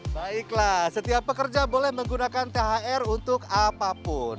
baiklah setiap pekerja boleh menggunakan thr untuk apapun